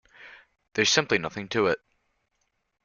There's simply nothing to it.